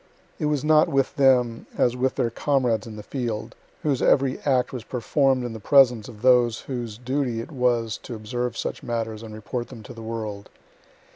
It was not with them as with their comrades in the field, whose every act was perform'd in the presence of those whose duty it was to observe such matters and report them to the world.